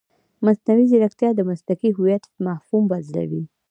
مصنوعي ځیرکتیا د مسلکي هویت مفهوم بدلوي.